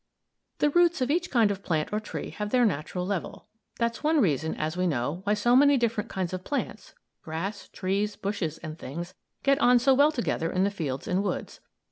The roots of each kind of plant or tree have their natural level; that's one reason, as we know, why so many different kinds of plants grass, trees, bushes, and things get on so well together in the fields and woods.